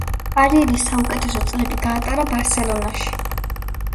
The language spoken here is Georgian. კარიერის საუკეთესო წლები გაატარა ბარსელონაში.